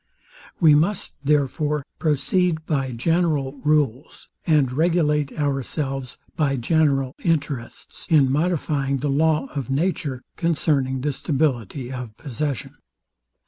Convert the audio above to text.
We must, therefore, proceed by general rules, and regulate ourselves by general interests, in modifying the law of nature concerning the stability of possession.